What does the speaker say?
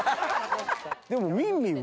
でもみんみんは？